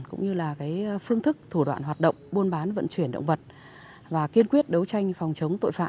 cũng như là phương thức thủ đoạn hoạt động buôn bán vận chuyển động vật và kiên quyết đấu tranh phòng chống tội phạm